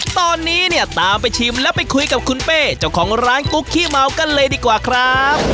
ตอนนี้เนี่ยตามไปชิมแล้วไปคุยกับคุณเป้เจ้าของร้านกุ๊กขี้เมากันเลยดีกว่าครับ